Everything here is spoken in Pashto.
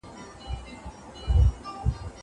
پیسې باید په سمه توګه مدیریت شي.